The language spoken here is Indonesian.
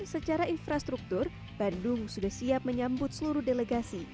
secara infrastruktur bandung sudah siap menyambut seluruh delegasi